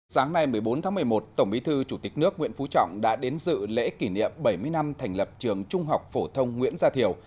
sáng nay một mươi bốn tháng một mươi một tổng bí thư chủ tịch nước nguyễn phú trọng đã đến dự lễ kỷ niệm bảy mươi năm thành lập trường trung học phổ thông nguyễn gia thiểu